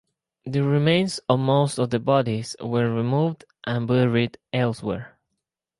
The remains of most of the bodies were removed and buried elsewhere.